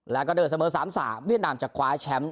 แล้วก็เดินเสมอ๓๓เวียดนามจะคว้าแชมป์